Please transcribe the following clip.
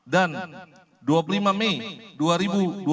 dan dua puluh lima mei dua ribu dua puluh empat